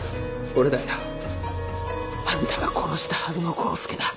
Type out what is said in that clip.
俺だよあんたが殺したはずの黄介だ